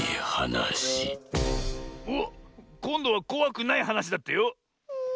おっこんどはこわくないはなしだってよ。